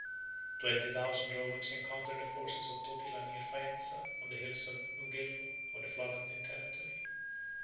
Twenty thousand Romans encountered the forces of Totila, near Faenza, and on the hills of Mugello, of the Florentine territory.